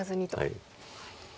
はい。